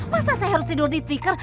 masa saya harus tidur di tikar